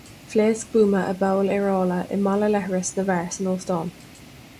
Phléasc buama i bpoll aerála i mballa leithreas na bhfear san óstán.